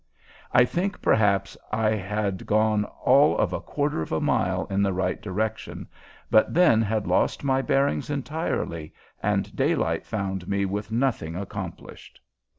I think perhaps I had gone all of a quarter of a mile in the right direction, but then had lost my bearings entirely and daylight found me with nothing accomplished.